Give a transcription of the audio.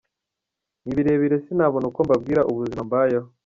Ni birebire sinabona uko mbabwira ubuzima mbayeho.